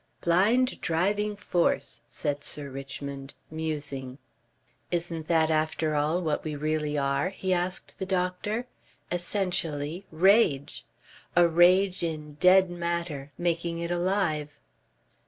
"Blind driving force," said Sir Richmond, musing. "Isn't that after all what we really are?" he asked the doctor. "Essentially Rage. A rage in dead matter, making it alive."